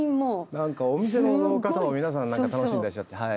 何かお店の方も皆さん何か楽しんでいらっしゃって。